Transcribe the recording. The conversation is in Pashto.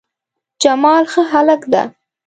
جمال ښه هلک ده